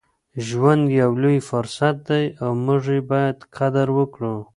ژوند یو لوی فرصت دی او موږ یې باید قدر وکړو.